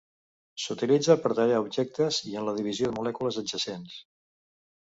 S'utilitza per tallar objectes i en la divisió de molècules adjacents.